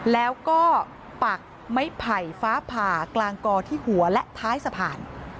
แล้วก็ปักไม้ไผ่ฟ้าผ่ากลางกอที่หัวและท้ายสะพาน